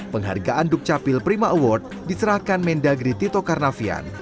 penghargaan dukcapil prima award diserahkan mendagri tito karnavian